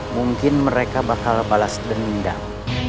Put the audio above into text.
mungkin mereka bakal balas dendam